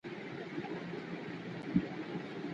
ولي لېواله انسان د وړ کس په پرتله بریا خپلوي؟